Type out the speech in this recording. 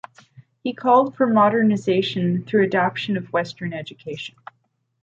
He called for modernisation through adoption of Western Education.